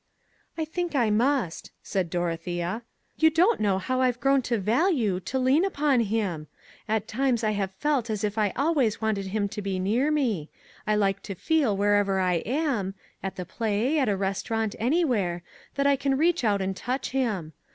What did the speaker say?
"I think I must," said Dorothea. "You don't know how I've grown to value, to lean upon, him. At times I have felt as if I always wanted him to be near me; I like to feel wherever I am at the play, at a restaurant, anywhere that I can reach out and touch him.